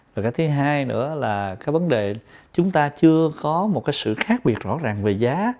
và cái thứ hai nữa là cái vấn đề chúng ta chưa có một cái sự khác biệt rõ ràng về giá